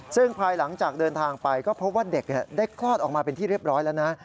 ซึ่งภายหลังจากเดินทางไปก็พบว่าเด็กได้คลอดออกมาเป็นที่เรียบร้อยแล้วนะ